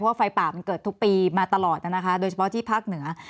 เพราะว่าไฟป่ามันเกิดทุกปีมาตลอดโดยเฉพาะที่ภาคเหนือ